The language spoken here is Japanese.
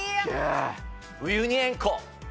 ウユニ塩湖。